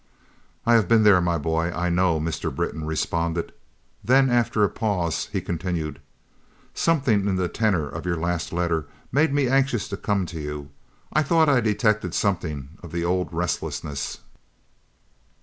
"I have been there, my boy; I know," Mr. Britton responded; then, after a pause, he continued: "Something in the tenor of your last letter made me anxious to come to you. I thought I detected something of the old restlessness.